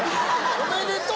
おめでとう！